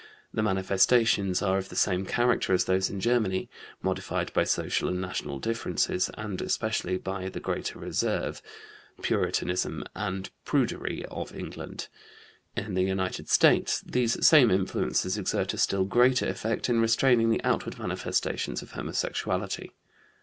The manifestations are of the same character as those in Germany, modified by social and national differences, and especially by the greater reserve, Puritanism, and prudery of England. In the United States these same influences exert a still greater effect in restraining the outward manifestations of homosexuality.